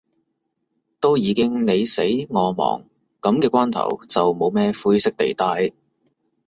都已經你死我亡，噉嘅關頭，就冇咩灰色地帶